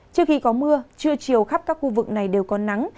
trước khi có mưa trưa chiều khắp các khu vực này đều có nắng